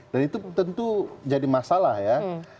dan itu tentu jadi masalah ya